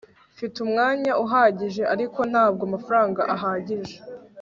mfite umwanya uhagije, ariko ntabwo amafaranga ahagije